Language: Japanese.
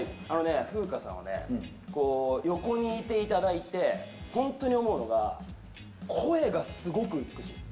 楓果さんは横にいていただいて本当に思うのが声がすごく美しい。